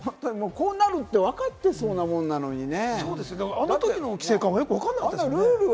こうなるって分かってそうなものなのにね。